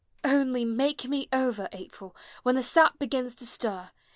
Only make me over, April, When the sap begins to stir!